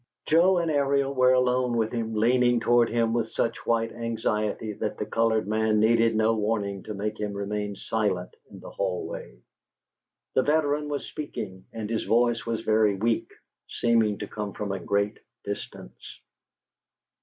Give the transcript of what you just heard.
Joe and Ariel were alone with him, leaning toward him with such white anxiety that the colored man needed no warning to make him remain silent in the hallway. The veteran was speaking and his voice was very weak, seeming to come from a great distance.